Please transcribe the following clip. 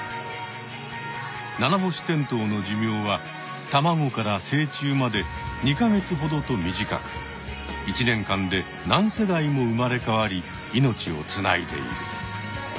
ナナホシテントウの寿命はたまごから成虫まで２か月ほどと短く１年間で何世代も生まれ変わり命をつないでいる。